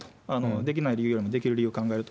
できない理由よりできる理由を考えると。